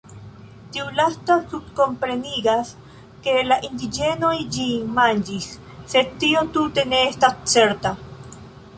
Tiu lasta subkomprenigas, ke la indiĝenoj ĝin manĝis, sed tio tute ne estas certa.